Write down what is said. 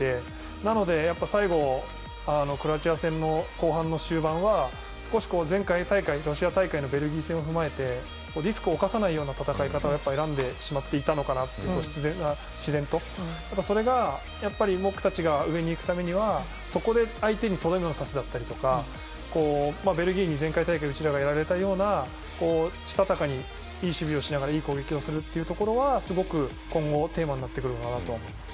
なので、最後クロアチア戦の後半の終盤は少し前回大会、ロシア大会のベルギー戦を踏まえてリスクを冒さないような戦い方を選んでしまっていたのかなと。自然と。それは僕たちが上に行くためにはそこで、相手にとどめを刺すだったりとかベルギーに前回大会うちらがやられたようなしたたかにいい守備をしながらいい攻撃をするというのはすごく、今後のテーマになってくるのかなと思います。